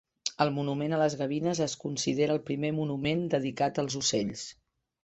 El Monument a les Gavines es considera el primer monument dedicat als ocells.